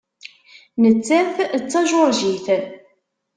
Nettat d Tajuṛjit.